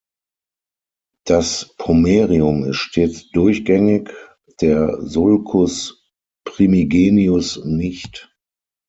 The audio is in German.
Das Pomerium ist stets durchgängig, der Sulcus primigenius nicht.